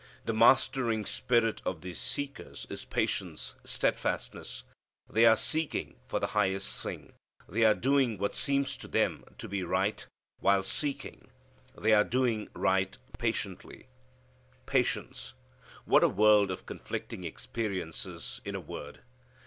The mastering spirit of these seekers is patience, steadfastness. They are seeking for the highest thing. They are doing what seems to them to be right, while seeking. They are doing right patiently. Patience! What a world of conflicting experiences in a word!